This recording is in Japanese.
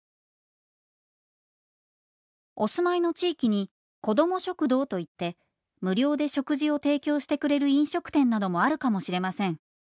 「お住まいの地域に子ども食堂と言って無料で食事を提供してくれる飲食店などもあるかもしれません。